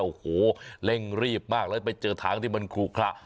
โอ้โหเร่งรีบมากแล้วไปเจอทางที่มันคลุคละ